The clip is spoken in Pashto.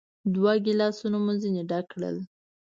دوه ګیلاسونه مو ځینې ډک کړل.